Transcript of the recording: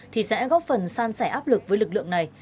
thì sẽ góp phần san sẻ áp lực với lực lượng này